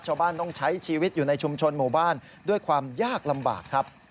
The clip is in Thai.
ชาวบ้านต้องใช้ชีวิตอยู่ในชุมชนหมู่บ้านด้วยความยากลำบากครับ